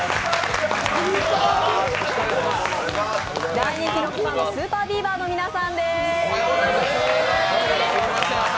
大人気ロックバンドＳＵＰＥＲＢＥＡＶＥＲの皆さんです。